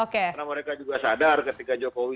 karena mereka juga sadar ketika jokowi